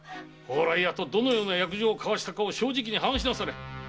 蓬莱屋とどのような約定を交わしたか正直に話しなされ。